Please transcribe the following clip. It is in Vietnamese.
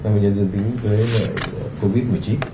năm bệnh nhân dường tính với covid một mươi chín